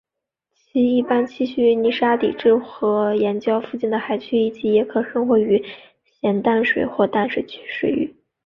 其一般栖息于泥沙底质和岩礁附近的海区以及也可生活于咸淡水或淡水水域。